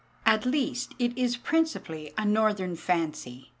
At least, it is principally a northern fancy.